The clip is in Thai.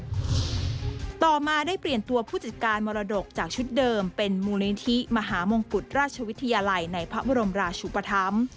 ต่อมาได้เปลี่ยนตัวผู้จัดการมรดกจากชุดเดิมเป็นมูลนิธิมหามงกุฎราชวิทยาลัยในพระบรมราชุปธรรม